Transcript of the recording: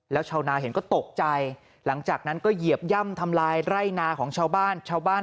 แล้วชาวนาเห็นก็ตกใจหลังจากนั้นก็เหยียบย่ำทำลายไร่นาของชาวบ้านชาวบ้าน